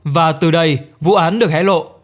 và từ đây vụ án được hé lộ